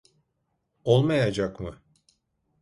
Olmayacak mı?